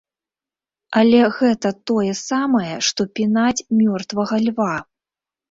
Але гэта тое самае, што пінаць мёртвага льва.